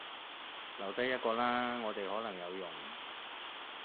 留低一個啦，我哋可能有用